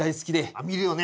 あ見るよね。